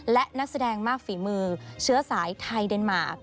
และนักแสดงมากฝีมือเชื้อสายไทยเดนมาร์